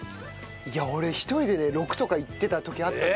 いや俺１人でね６とかいってた時あったの。